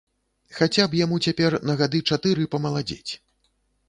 Хаця б яму цяпер на гады чатыры памаладзець.